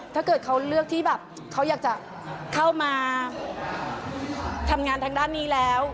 ถ้าเกิดเขาเลือกที่แบบเขาอยากจะเข้ามาทำงานทางด้านนี้แล้ว